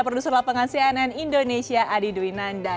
producer lapangan cnn indonesia adi dwi nanda